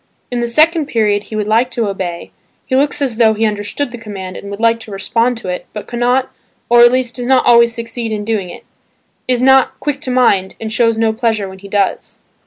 In the second period he would like to obey, he looks as though he understood the command and would like to respond to it, but cannot,–or at least does not always succeed in doing it, is not "quick to mind" and shows no pleasure when he does.